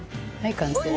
完成！